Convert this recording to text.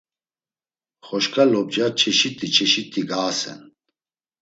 Xoşǩa lobca, çeşit̆i çeşit̆i gaasen.